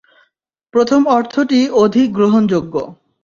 প্রথম অর্থটি অধিক গ্রহণযোগ্য।